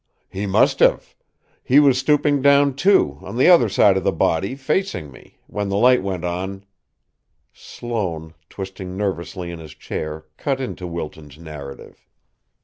"He must have. He was stooping down, too, on the other side of the body, facing me, when the light went on " Sloane, twisting nervously in his chair, cut into Wilton's narrative.